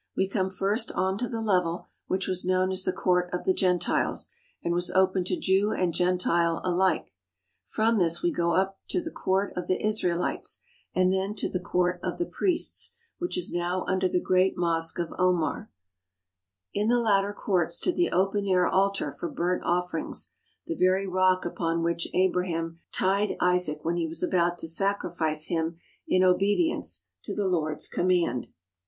We come first on to the level, which was known as the Court of the Gentiles, and was open to Jew and Gentile alike. From this we go up to the Court of the Israelites and then to the Court of the Priests, which is now under the great Mosque of 58 ON THE SITE OF SOLOMON'S TEMPLE Omar. In the latter court stood the open air altar for burnt offerings, the very rock upon which Abraham tied Isaac when he was about to sacrifice him in obedience to the Lord's command.